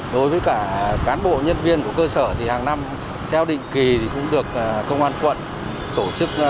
đối với cả cán bộ nhân viên của cơ sở thì hàng năm theo định kỳ thì cũng được công an quận tổ chức